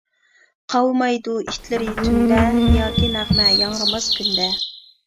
قاۋىمايدۇ ئىتلىرى تۈندە، ياكى نەغمە ياڭرىماس كۈندە.